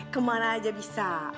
kemana aja bisa